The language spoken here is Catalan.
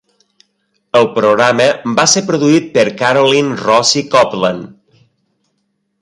El programa va ser produït per Carolyn Rossi Copeland.